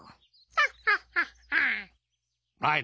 アッハッハッハッ。